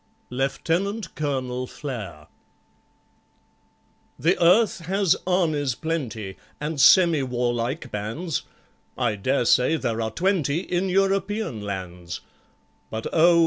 LIEUTENANT COLONEL FLARE THE earth has armies plenty, And semi warlike bands, I dare say there are twenty In European lands; But, oh!